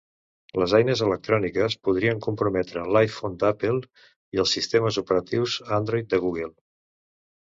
Les eines electròniques podrien comprometre l'iPhone d'Apple i els sistemes operatius Android de Google.